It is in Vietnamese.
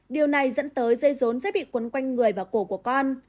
điều này dẫn tới dây rốn dễ bị cuốn quanh người và cổ của con